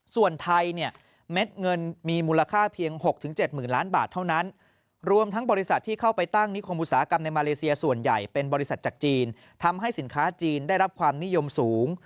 ส่วนไทยเนี่ยเม็ดเงินมีมูลค่าเพียง๖๗๐๐ล้านบาทเท่านั้นรวมทั้งบริษัทที่เข้าไปตั้งนิคมอุตสาหกรรมในมาเลเซียส่วนใหญ่เป็นบริษัทจากจีนทำให้สินค้าจีนได้รับความนิยมสูง